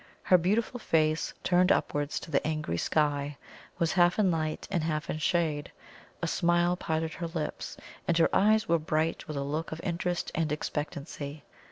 Her beautiful face, turned upwards to the angry sky, was half in light and half in shade; a smile parted her lips, and her eyes were bright with a look of interest and expectancy.